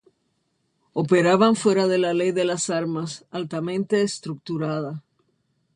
Operaban fuera de la ley de las armas, altamente estructurada.